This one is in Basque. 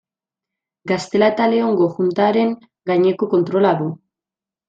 Gaztela eta Leongo Juntaren gaineko kontrola du.